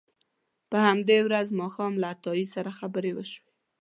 په همدې ورځ ماښام له عطایي سره خبرې وشوې.